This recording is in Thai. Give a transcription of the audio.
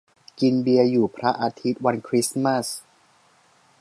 กินเบียร์อยู่พระอาทิตย์ วันคริสต์มาส